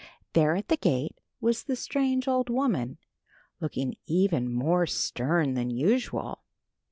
There at the gate was the strange, old woman, looking even more stern than usual.